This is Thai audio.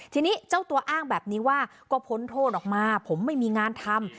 ทีนี้เจ้าตัวอ้างแบบนี้ว่าก็พ้นโทษออกมาผมไม่มีงานทำ